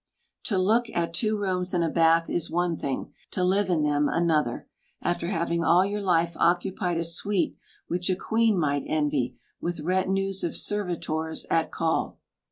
To look at two rooms and a bath is one thing, to live in them another, after having all your life occupied a suite which a queen might envy, with retinues of servitors at call.